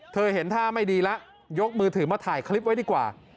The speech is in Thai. เห็นท่าไม่ดีแล้วยกมือถือมาถ่ายคลิปไว้ดีกว่า